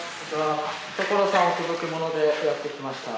『所さんお届けモノ』でやって来ました